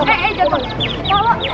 eh eh jatuh